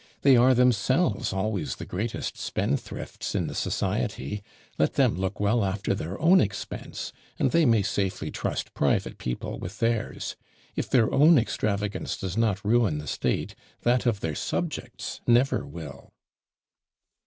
They are themselves always the greatest spendthrifts in the society; let them look well after their own expense, and they may safely trust private people with theirs. If their own extravagance does not ruin the state, that of their subjects never will."